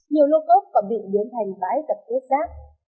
nhiều lô cốt còn bị biến thành vãi tập tốt giác